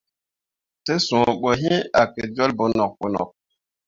Te suu ɓo yi ke jol bonok bonok.